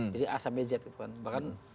jadi a sampai z gitu kan bahkan